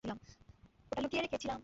ওটা লুকিয়ে রেখেছিলাম।